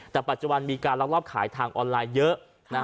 แต่ปัจจุบันมีการลักลอบขายทางออนไลน์เยอะ